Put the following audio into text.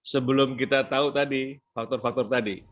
sebelum kita tahu tadi faktor faktor tadi